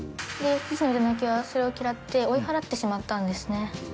で父のイザナキはそれを嫌って追い払ってしまったんですね。